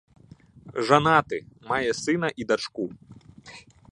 Жанаты, мае сына і дачку.